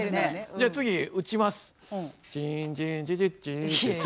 じゃあ次打ちます。